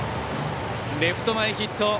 レフト前ヒット。